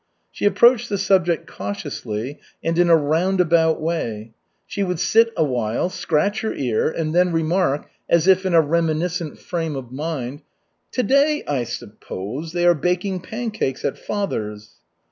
She approached the subject cautiously and in a roundabout way. She would sit a while, scratch her ear, and then remark, as if in a reminiscent frame of mind: "To day, I suppose, they are baking pancakes at father's."